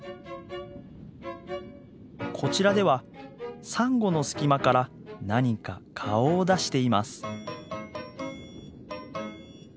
こちらではサンゴの隙間から何か顔を出しています。